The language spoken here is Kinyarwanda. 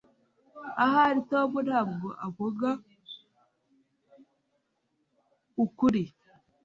Ahari Tom ntabwo avuga ukuri